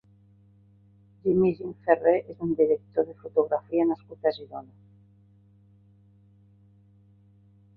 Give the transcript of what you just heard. Jimmy Gimferrer és un director de fotografia nascut a Girona.